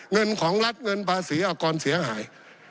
เงินของรัฐเงินภาษีอากรเสียหาย